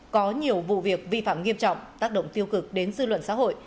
có nhiều vụ việc vi phạm nghiêm trọng tác động tiêu cực đến dư luận xã hội